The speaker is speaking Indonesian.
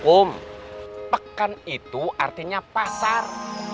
om pekan itu artinya pasar